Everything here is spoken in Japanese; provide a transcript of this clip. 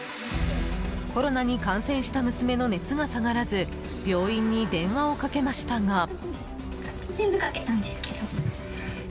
コロナに感染した娘の熱が下がらず病院に電話をかけましたが。